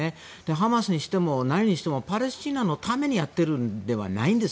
ハマスにしても何にしてもパレスチナのためにやっているのではないんです。